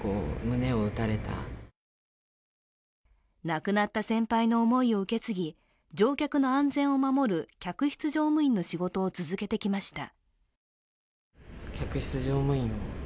亡くなった先輩の思いを受け継ぎ乗客の安全を守る客室乗務員の仕事を続けてきました。